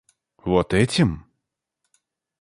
Вот этим?